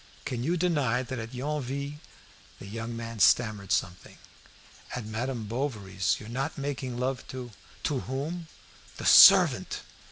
Can you deny that at Yonville " The young man stammered something. "At Madame Bovary's, you're not making love to " "To whom?" "The servant!"